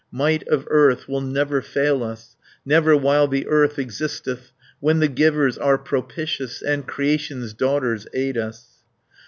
Might of earth will never fail us, Never while the earth existeth, When the Givers are propitious. And Creation's daughters aid us.